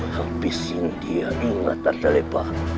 habis ini dia ingat arta lepa